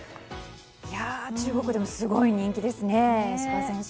中国でもすごい人気ですね、石川選手。